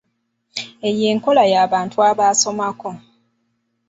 Eyo enkola ya bantu abaasomako.